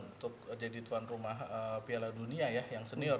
untuk jadi tuan rumah piala dunia ya yang senior